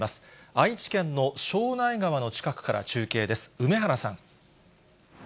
愛知県の庄内川の近くから中継です。